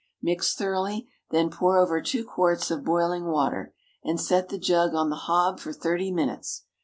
Mix thoroughly, then pour over two quarts of boiling water, and set the jug on the hob for thirty minutes.